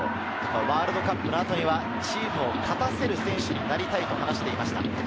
ワールドカップの後にはチームを勝たせる選手になりたいと話していました。